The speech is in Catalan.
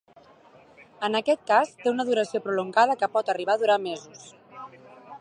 En aquest cas, té una duració prolongada que pot arribar a durar mesos.